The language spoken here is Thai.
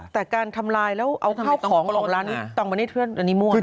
แต่การทำลายแล้วเอาข้าวของออกร้านนี้ต้องมาให้เพื่อนอันนี้มั่ว